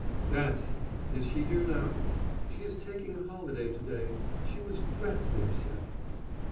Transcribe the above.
"That's it. Is she here now?" "She is taking a holiday to day. She was dreadfully upset."